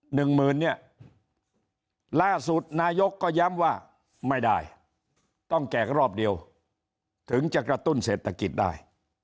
หนึ่งหมื่นเนี่ยล่าสุดนายกก็ย้ำว่าไม่ได้ต้องแจกรอบเดียวถึงจะกระตุ้นเศรษฐกิจได้